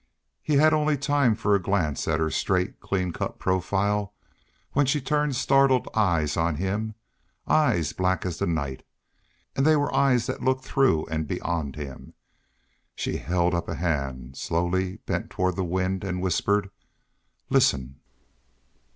He had only time for a glance at her straight, clean cut profile, when she turned startled eyes on him, eyes black as the night. And they were eyes that looked through and beyond him. She held up a hand, slowly bent toward the wind, and whispered: "Listen."